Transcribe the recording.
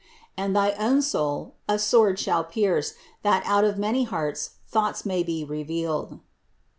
And thy own soul a sword shall pierce, that out of many hearts thoughts may be revealed."